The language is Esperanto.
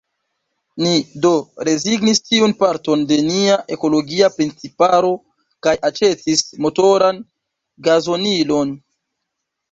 Ni do rezignis tiun parton de nia ekologia principaro kaj aĉetis motoran gazonilon.